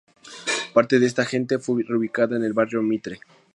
Parte de esta gente fue reubicada en el Barrio Mitre.